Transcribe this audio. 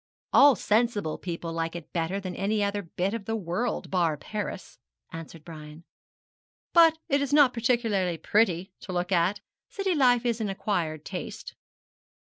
'All sensible people like it better than any other bit of the world, bar Paris,' answered Brian. 'But it is not particularly pretty to look at. City life is an acquired taste.'